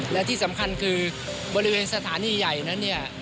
และที่สำคัญคือบริเวณสถานีใหญ่